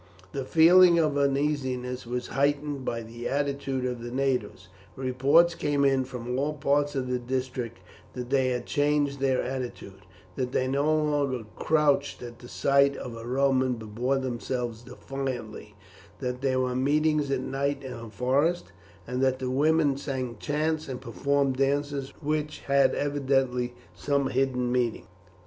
The feeling of uneasiness was heightened by the attitude of the natives. Reports came in from all parts of the district that they had changed their attitude, that they no longer crouched at the sight of a Roman but bore themselves defiantly, that there were meetings at night in the forest, and that the women sang chants and performed dances which had evidently some hidden meaning.